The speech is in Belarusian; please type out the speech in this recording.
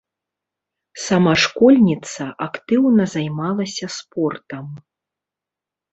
Сама школьніца актыўна займалася спортам.